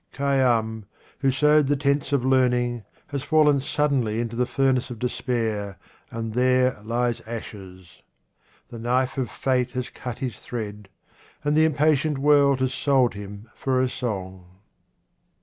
Khayyam, who sewed the tents of learning, has fallen suddenly into the furnace of despair, and there lies ashes. The knife of fate has cut his 44 QUATRAINS OF OMAR KHAYYAM thread, and the impatient world has sold him for a song.